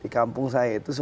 kampung saya juga